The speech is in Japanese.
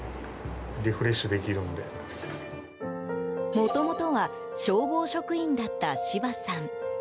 もともとは消防職員だった芝さん。